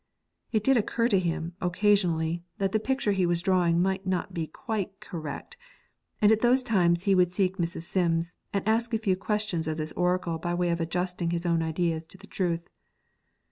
It did occur to him, occasionally, that the picture he was drawing might not be quite correct, and at those times he would seek Mrs. Sims, and ask a few questions of this oracle by way of adjusting his own ideas to the truth.